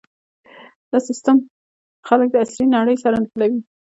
دا سیستم خلک د عصري نړۍ سره نښلوي.